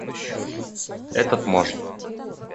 Этот может.